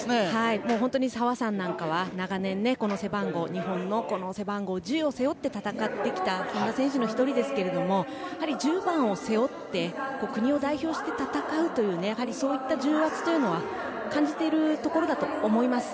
本当に澤さんなんかは長年日本の背番号１０を背負って戦ってきたそんな選手の１人ですがやはり１０番を背負って国を代表して戦うという重圧というのは感じているところだと思います。